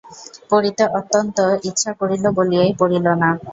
পড়িতে অত্যন্ত ইচ্ছা করিল বলিয়াই পড়িল না।